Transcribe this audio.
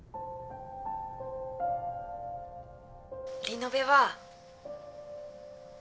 リノベは。